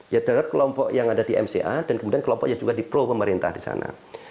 ya terhadap kelompok yang ada di mca dan kemudian kelompok yang juga di pro pemerintah di sana